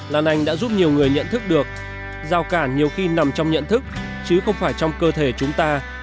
lan anh đã giúp nhiều người nhận thức được giao cản nhiều khi nằm trong nhận thức chứ không phải trong cơ thể chúng ta